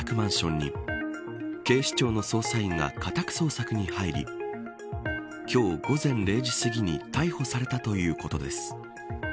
昨夜、永山容疑者の都内の自宅マンションに警視庁の捜査員が家宅捜索に入り今日午前０時すぎに逮捕されたということです。